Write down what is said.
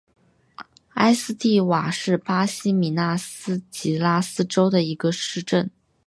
埃斯蒂瓦是巴西米纳斯吉拉斯州的一个市镇。